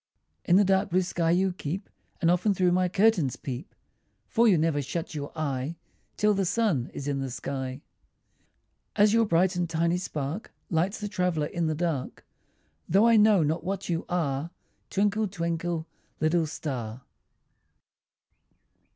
In the dark blue sky you keep, And often through my curtains peep, For you never shut your eye Till the sun is in the sky. As your bright and tiny spark Lights the traveller in the dark, Though I know not what you are, Twinkle, twinkle, little star.